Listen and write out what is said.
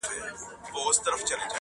o په خپلو خپل، په پردو پردى.